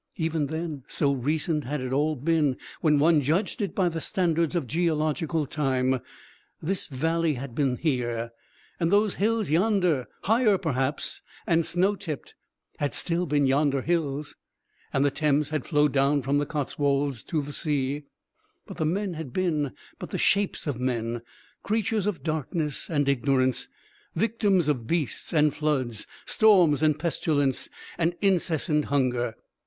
Even then so recent had it all been when one judged it by the standards of geological time this valley had been here; and those hills yonder, higher, perhaps, and snow tipped, had still been yonder hills, and the Thames had flowed down from the Cotswolds to the sea. But the men had been but the shapes of men, creatures of darkness and ignorance, victims of beasts and floods, storms and pestilence and incessant hunger.